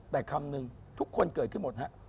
แต่คำนึงทุกคนเกิดขึ้นหมดฮะ